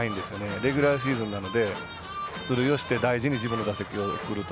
レギュラーシーズンなので出塁をして自分の打席を大事に振ると。